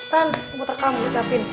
cepetan gua muter kamu siapin